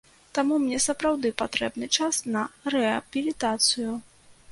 Таму мне сапраўды патрэбны час на рэабілітацыю.